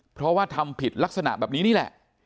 เพราะว่าทำผิดลักษณะแบบนี้นี่แหละ